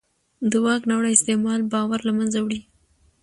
د واک ناوړه استعمال باور له منځه وړي